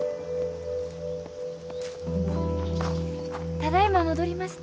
ただいま戻りました